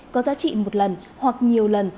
có giá trị một lần hoặc nhiều lần